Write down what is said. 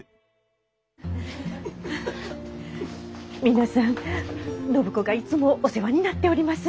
皆さん暢子がいつもお世話になっております。